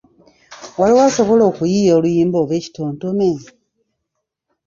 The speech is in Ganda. Waliwo asobola okuyiiya oluyimba oba ekitontome?